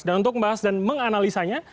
dan untuk membahas dan menganalisanya